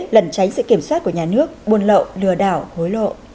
lẩn tránh sự kiểm soát của nhà nước buôn lậu lừa đảo hối lộ